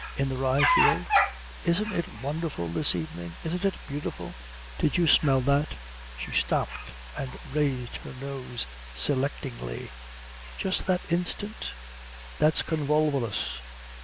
In the rye field. Isn't it wonderful this evening isn't it beautiful? Did you smell that?" She stopped and raised her nose selectingly. "Just that instant? That's convolvulus."